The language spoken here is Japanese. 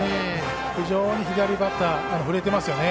非常に左バッター、振れてますね。